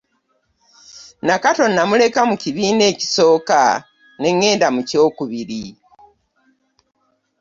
Nakato namuleka mu kibiina ekisooka ne ng’enda mu kyokubiri.